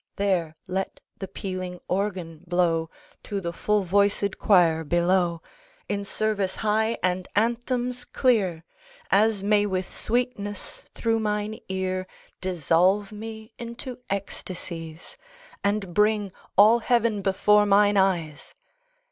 There let the pealing organ blow, To the full voiced quire below, In service high and anthems clear, As may with sweetness, through mine ear, Dissolve me into ecstasies, And bring all Heaven before mine eyes.